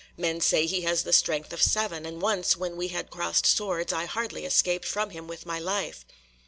Men say he has the strength of seven, and once when we had crossed swords I hardly escaped from him with my life."